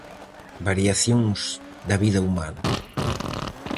"Variacións da vida humana".